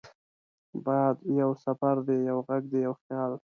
باد یو سفر دی، یو غږ دی، یو خیال